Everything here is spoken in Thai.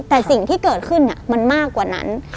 แต่สิ่งที่เกิดขึ้นมันมากกว่านั้น